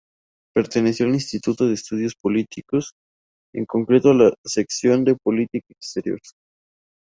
Perteneció al Instituto de Estudios Políticos, en concreto a su sección de Política Exterior.